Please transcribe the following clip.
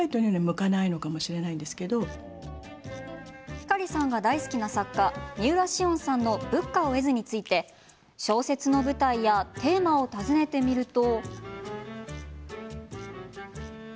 ぴかりさんが大好きな作家三浦しをんさんの「仏果を得ず」について小説の舞台やテーマを尋ねてみると。